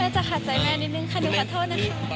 จะขาดใจแม่นิดนึงค่ะหนูขอโทษนะคะ